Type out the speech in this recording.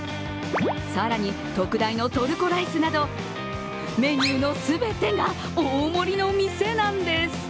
更に特大のトルコライスなど、メニューの全てが大盛りの店なんです。